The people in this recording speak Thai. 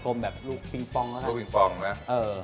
กลมแบบลูกปิงปองก็ได้